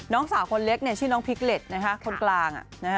น้องสาวคนเล็กชื่อน้องพิกเล็ตคนกลาง